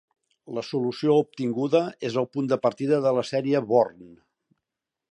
La solució obtinguda és el punt de partida de la sèrie Born.